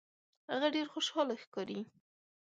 هغه ډیر خوشحاله ښکاري.